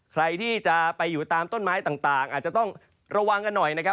ใครที่จะไปอยู่ตามต้นไม้ต่างอาจจะต้องระวังกันหน่อยนะครับ